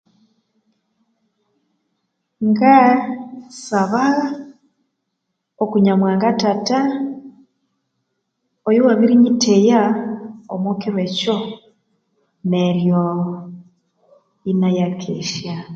Ngasabagha oku Nyamuhanga thatha oyuwabirinyitheya omwa kiro ekyo neryo inaya kesya.